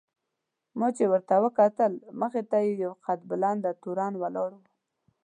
ما چې ورته وکتل مخې ته مې یو قد بلنده تورن ولاړ و.